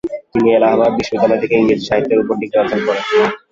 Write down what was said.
তিনি এলাহাবাদ বিশ্ববিদ্যালয় থেকে ইংরেজি সাহিত্যের উপরে ডিগ্রি অর্জন করেন।